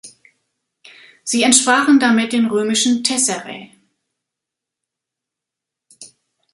Sie entsprachen damit den römischen Tesserae.